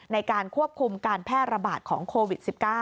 ในการควบคุมการแพร่ระบาดของโควิด๑๙